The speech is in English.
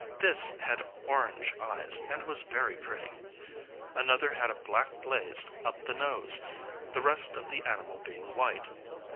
This had orange eyes, and was very pretty. Another had a black blaze up the nose, the rest of the animal being white.